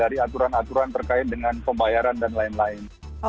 dari aturan aturan terkait dengan pembayaran dan lain lain